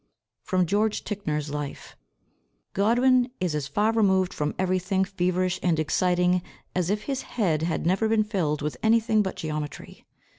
'" [Sidenote: George Ticknor's Life.] "Godwin is as far removed from everything feverish and exciting as if his head had never been filled with anything but geometry.